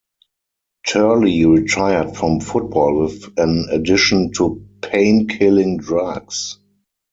Turley retired from football with an addiction to pain-killing drugs.